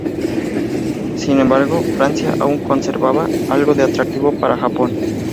Sin embargo, Francia aún conservaba algo de atractivo para Japón.